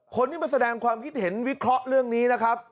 คนที่มาแสดงความคิดเห็นวิเคราะห์เรื่องนี้นะครับ